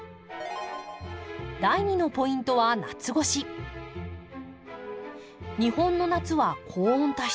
第２のポイントは日本の夏は高温多湿。